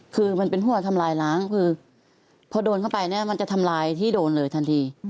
คือมันเป็นหัวทำลายล้างคือพอโดนเข้าไปเนี่ยมันจะทำลายที่โดนเลยทันที